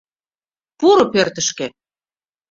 Пуро пӧртышкӧ!